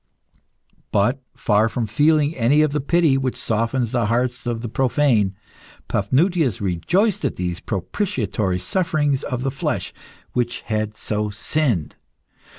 But, far from feeling any of the pity which softens the hearts of the profane, Paphnutius rejoiced at these propitiatory sufferings of the flesh which had so sinned.